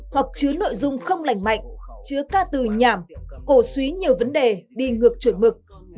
hoặc chứa nội dung không lành mạnh chứa ca từ nhảm cổ suý nhiều vấn đề đi ngược chuẩn mực